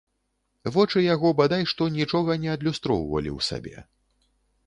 Вочы яго бадай што нічога не адлюстроўвалі ў сабе.